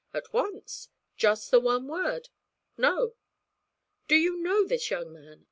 'At once just the one word, "No."' 'Do you know this young man?'